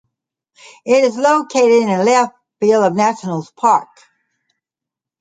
It is located in left field of Nationals Park.